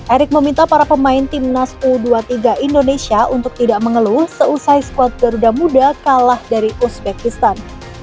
erick meminta para pemain timnas u dua puluh tiga indonesia untuk tidak mengeluh seusai squad garuda muda kalah dari uzbekistan